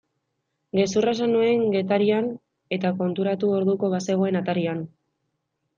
Gezurra esan nuen Getarian eta konturatu orduko bazegoen atarian.